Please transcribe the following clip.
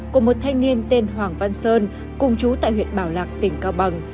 của một thanh niên tên hoàng văn sơn cùng chú tại huyện bảo lạc tỉnh cao bằng